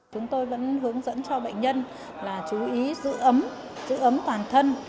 chúng tôi vẫn hướng dẫn cho bệnh nhân là chú ý giữ ấm giữ ấm toàn thân